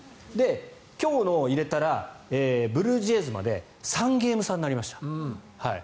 今日のを入れたらブルージェイズまで３ゲーム差になりました。